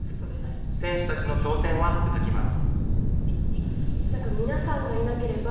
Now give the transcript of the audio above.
選手たちの挑戦は続きます。